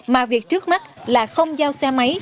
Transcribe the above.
mà việc trước mắt là không giao xe máy